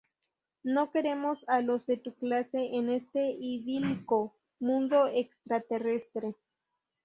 No queremos a los de tu clase en este idílico mundo extraterrestre".